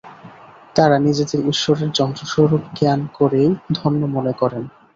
তাঁরা নিজেদের ঈশ্বরের যন্ত্রস্বরূপ জ্ঞান করেই ধন্য মনে করেন।